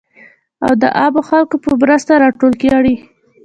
او د عامو خلکو په مرسته راټول کړي .